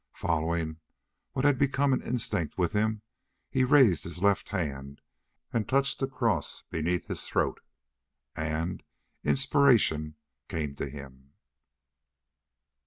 Following what had become an instinct with him, he raised his left hand and touched the cross beneath his throat. And inspiration came to him.